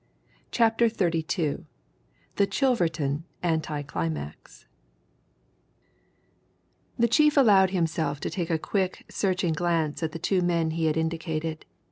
CHAPTER XXXII THE CHILVERTON ANTI CLIMAX The chief allowed himself to take a quick searching glance at the two men he had indicated.